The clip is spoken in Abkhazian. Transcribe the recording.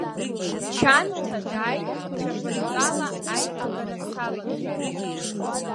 Чанҭа дааит цәаҳәанҵала аиҭагара салгеит.